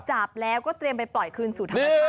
จับแล้วก็ได้ไปปล่อยกับคืนสุถาชาติ